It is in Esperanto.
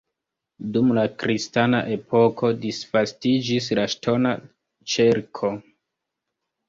Dum la kristana epoko disvastiĝis la ŝtona ĉerko.